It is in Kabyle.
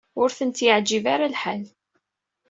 Ur tent-yeɛjib ara lḥal.